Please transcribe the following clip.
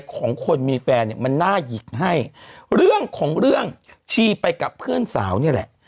ของคนมีแฟนเนี่ยมันน่าหยิกให้เรื่องของเรื่องชีไปกับเพื่อนสาวนี่แหละ